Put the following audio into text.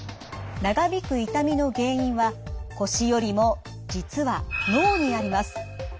長引く痛みの原因は腰よりも実は脳にあります。